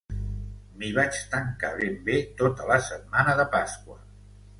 M'hi vaig tancar ben bé tota la setmana de Pasqua.